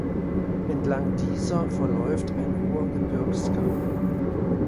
Entlang dieser verläuft ein hoher Gebirgskamm.